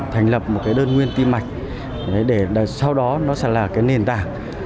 thành lập một cái đơn nguyên tiêm mạch để sau đó nó sẽ là cái nền tảng